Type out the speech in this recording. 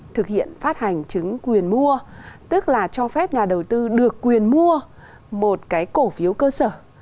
thực hiện phát hành chứng quyền mua tức là cho phép nhà đầu tư được quyền mua một cái cổ phiếu cơ sở